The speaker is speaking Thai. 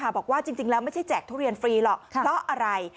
บอกว่าจริงแล้วไม่ใช่แจกทุเรียนฟรีหรอกเพราะอะไร